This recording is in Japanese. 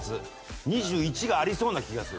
２１がありそうな気がする。